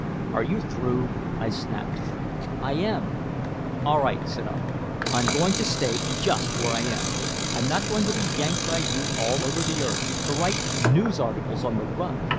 "Are you through?" I snapped. "I am!" "All right," said I. "I'm going to stay just where I am! I'm not going to be yanked by you all over the earth, to write news articles on the run!